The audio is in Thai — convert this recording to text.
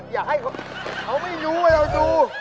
อยากให้เขาไม่รู้ว่าเราดู